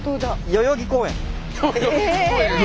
代々木公園！？